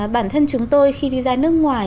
bản thân chúng tôi khi đi ra nước ngoài